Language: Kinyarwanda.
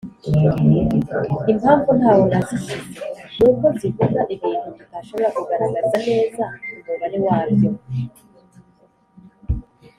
impamvu ntaho nazishyize ni uko zivuga ibintu tutashobora kugaragaza neza umubare wabyo.